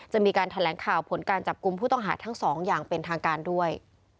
จะมีการแถลงข่าวผลการจับกลุ่มผู้ต้องหาทั้งสองอย่างเป็นทางการด้วย